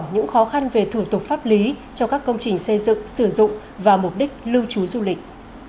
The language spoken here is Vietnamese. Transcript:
những khó khăn về thủ tục pháp lý cho các công trình xây dựng sử dụng và mục đích lưu trú du lịch